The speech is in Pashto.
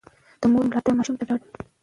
د مور ملاتړ ماشوم ته ډاډ ورکوي.